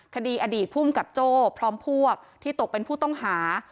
คดีอดีตภูมิกับโจ้พร้อมพวกที่ตกเป็นผู้ต้องหา